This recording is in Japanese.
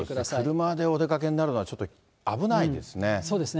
車でお出かけになるのは、ちょっと危ないですね。